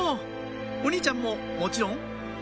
お兄ちゃんももちろんん？